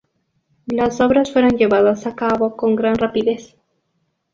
Las obras fueron llevadas a cabo con gran rapidez.